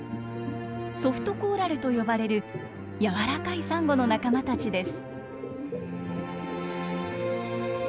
「ソフトコーラル」と呼ばれる柔らかいサンゴの仲間たちです。